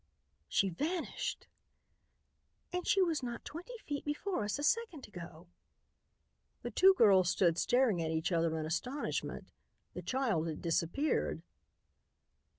"She vanished!" "And she was not twenty feet before us a second ago." The two girls stood staring at each other in astonishment The child had disappeared.